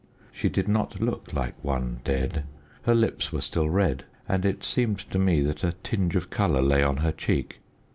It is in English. She did not look like one dead. Her lips were still red, and it seemed to me that a tinge of colour lay on her cheek.